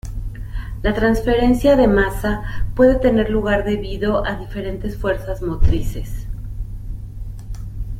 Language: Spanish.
La transferencia de masa puede tener lugar debido a diferentes fuerzas motrices.